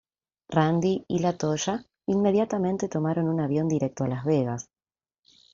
Randy y La Toya inmediatamente tomaron un avión directo a Las Vegas.